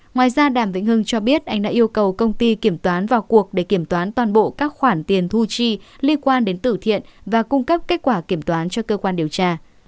ngoài ra đàm vĩnh hưng cho biết anh đã yêu cầu công ty kiểm toán vào cuộc để kiểm toán toàn bộ các khoản tiền thu chi liên quan đến tử thiện và cung cấp kết quả kiểm toán cho cơ quan điều tra